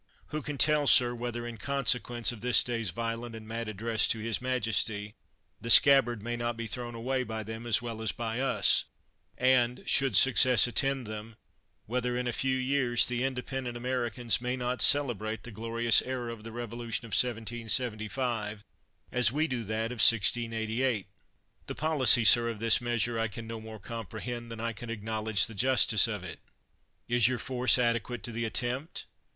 Who can tell, sir, whether, in consequence of this day's violent and mad address to his majesty, the scabbard may not be thrown away by them as well as by us; and, should success attend them, whether, in a few years, the independent Ameri cans may not celebrate the glorious era of the Revolution of 1775, as we do that of 1688? The policy, sir, of this measure, I can no more comprehend, than I can acknowledge the justice of it Is your force adequate to the attempt?